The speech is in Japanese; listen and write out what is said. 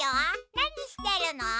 なにしてるの？